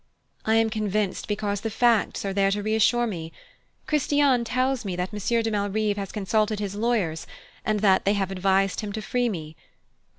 "I am convinced because the facts are there to reassure me. Christiane tells me that Monsieur de Malrive has consulted his lawyers, and that they have advised him to free me.